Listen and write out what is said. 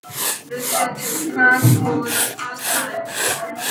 Russia took part for the first time.